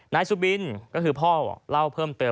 นายสุบินก็คือพ่อเล่าเพิ่มเติม